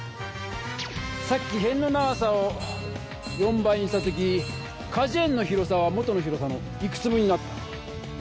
さっきへんの長さを４倍にした時かじゅ園の広さは元の広さのいくつ分になった？